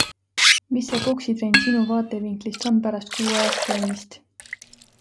Mis see poksitrenn sinu vaatevinklist on pärast kuuajast käimist?